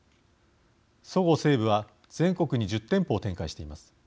そごう・西武は、全国に１０店舗を展開しています。